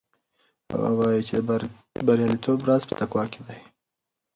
هغه وایي چې د بریالیتوب راز په تقوا کې دی.